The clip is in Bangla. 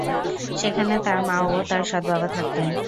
সেখানে তার মা ও তার সৎ বাবা থাকতেন।